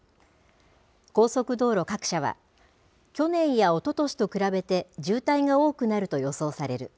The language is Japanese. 高速道路各社は、去年やおととしと比べて渋滞が多くなると予想される。